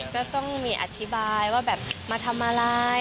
ก็ต้องมีอธิบายว่าแบบมาทำอะไร